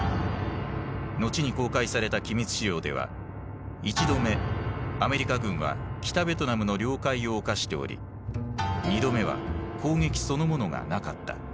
後に公開された機密資料では１度目アメリカ軍は北ベトナムの領海を侵しており２度目は攻撃そのものがなかった。